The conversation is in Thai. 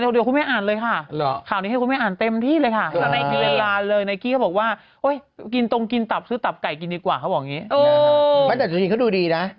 ดาราเนี่ยอยากกินเขานะ